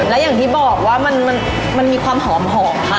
และอย่างที่บอกว่ามันมีความหอม